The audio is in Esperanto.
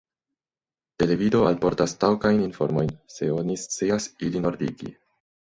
Televido alportas taŭgajn informojn, se oni scias ilin ordigi.